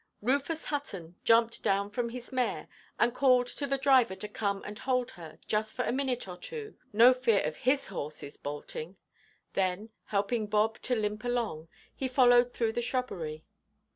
Rufus Hutton jumped down from his mare, and called to the driver to come and hold her, just for a minute or two; no fear of his horses bolting. Then, helping Bob to limp along, he followed through the shrubbery.